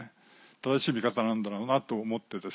正しい見方なんだろうなと思ってですね